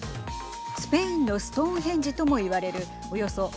スペインのストーンヘンジともいわれるおよそ